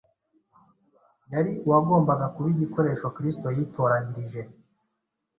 yari uwagombaga kuba “igikoresho Kristo yitoranyirije”;